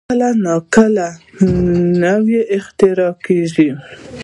کله نا کله نوې اختراع کېږي.